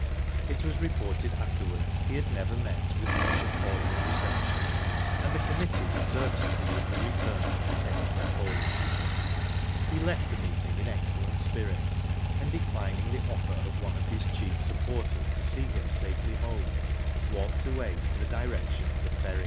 It was reported afterwards he had never met with such a cordial reception and the committee were certain he would be returned at the head of the poll. He kft the meeting in excellent spirits, and, declining the offer of one of his chief supporters to see him safely home, walked away in the direction of the ferry.